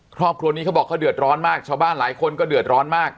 ครอบครัวนี้เขาบอกเขาเดือดร้อนมากชาวบ้านหลายคนก็เดือดร้อนมาก